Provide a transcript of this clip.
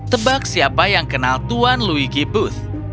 tebak siapa yang kenal tuan luigi booth